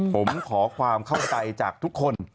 ผมขอความเข้าใจจากทุกคน